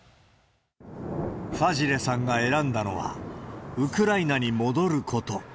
ファジレさんが選んだのは、ウクライナに戻ること。